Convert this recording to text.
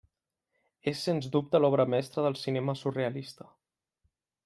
És sens dubte l'obra mestra del cinema surrealista.